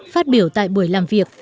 phát biểu tại buổi làm việc